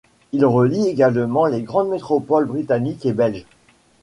Il relie également les grandes métropoles britanniques et belges.